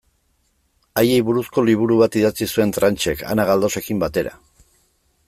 Haiei buruzko liburu bat idatzi zuen Tranchek, Ana Galdosekin batera.